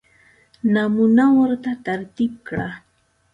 نمونه ورته ترتیب کړه.